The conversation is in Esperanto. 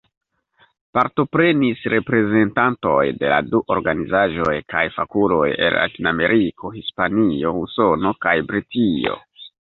Partoprenis reprezentantoj de la du organizaĵoj kaj fakuloj el Latinameriko, Hispanio, Usono kaj Britio.